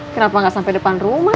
kenapa nggak sampai depan rumah